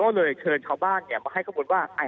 ก็เลยเชิญชาวบ้านมาให้ข้อมูลว่า